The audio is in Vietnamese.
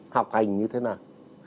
học hành như thế nào